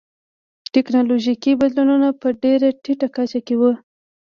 ټکنالوژیکي بدلونونه په ډېره ټیټه کچه کې و